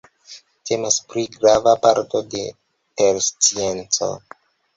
Temas pri grava parto de terscienco.